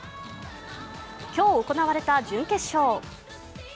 今日行われた準決勝。